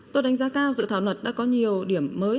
tôi đánh giá cao dự thảo luật đã có nhiều điểm mới